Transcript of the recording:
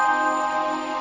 di ramai luar